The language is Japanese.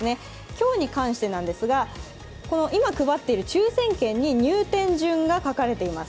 今日に関してなんですが今配っている抽選券に入店順が書かれています。